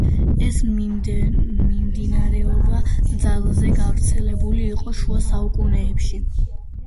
ეს მიმდინარეობა ძალზე გავრცელებული იყო შუა საუკუნეებში.